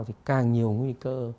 thì càng nhiều nguy cơ